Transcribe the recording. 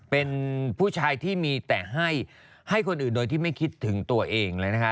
เป็นผู้ชายที่มีแต่ให้ให้คนอื่นโดยที่ไม่คิดถึงตัวเองเลยนะคะ